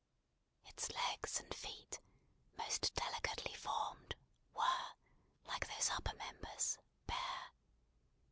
Its legs and feet, most delicately formed, were, like those upper members, bare.